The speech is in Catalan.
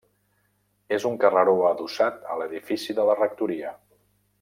És un carreró adossat a l'edifici de la rectoria.